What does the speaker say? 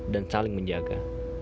dan saling menjaga